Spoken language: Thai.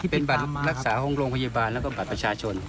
เป็นบัตรรักษาของโรงพยาบาลแล้วก็บัตรประชาชน